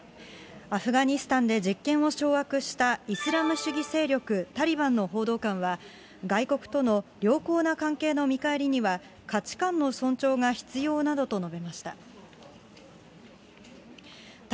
アフガニスタンで実権を掌握したイスラム主義勢力タリバンの報道官は、外国との良好な関係の見返りには、価値観の尊重が必要などと述べました。